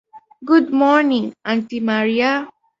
Good morning, aunty Maria.